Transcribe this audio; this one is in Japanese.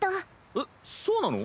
えっそうなの？